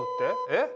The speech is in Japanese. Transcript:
えっ？